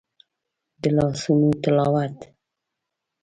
د لاسونو تلاوت